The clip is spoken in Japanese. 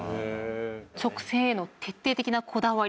直線への徹底的なこだわり。